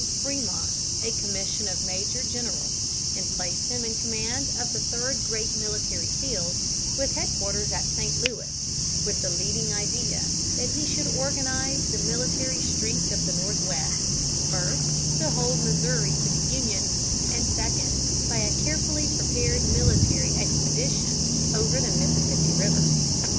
Frémont a commission of major general, and placed him in command of the third great military field, with headquarters at St. Louis, with the leading idea that he should organize the military strength of the Northwest, first, to hold Missouri to the Union, and, second, by a carefully prepared military expedition open the Mississippi River.